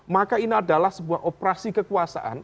maka ini adalah sebuah operasi kekuasaan